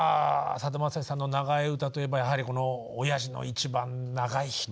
さだまさしさんの長い歌といえばやはりこの「親父の一番長い日」と。